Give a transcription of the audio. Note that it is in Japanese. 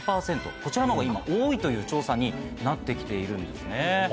こちらのほうが今多いという調査になって来ているんですね。